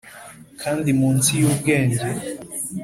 kandi munsi yubwenge;